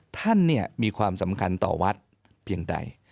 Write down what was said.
ท่านมีความสำคัญต่อวัดเพียงใด